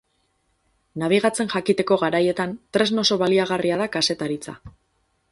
Nabigatzen jakiteko garaietan, tresna oso baliagarria da kazetaritza.